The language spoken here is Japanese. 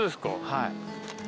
はい。